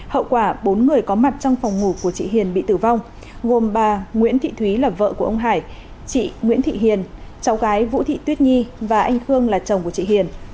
hậu quả bốn người có mặt trong phòng ngủ của chị hiền bị tử vong gồm bà nguyễn thị thúy là vợ của ông hải chị nguyễn thị hiền cháu gái vũ thị tuyết nhi và anh khương là chồng của chị hiền